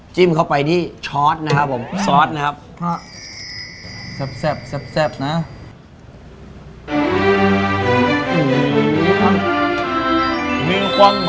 ซอสเข้ากับข้าวเหนียวมากมากนะครับซอสแบบนี้นะครับ